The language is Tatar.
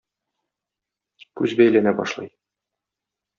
Күз бәйләнә башлый.